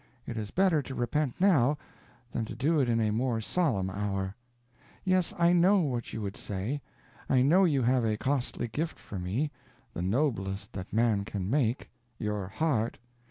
It is better to repent now, than to do it in a more solemn hour. Yes, I know what you would say. I know you have a costly gift for me the noblest that man can make _your heart!